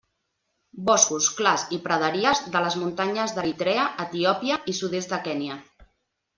Boscos, clars i praderies de les muntanyes d'Eritrea, Etiòpia i sud-oest de Kenya.